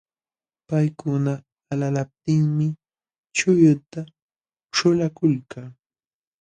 Paykuna alalaptinmi chulluta ćhulakulka.